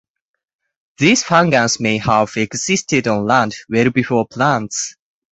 This fungus may have existed on land well before plants.